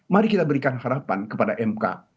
mari kita berikan harapan kepada mk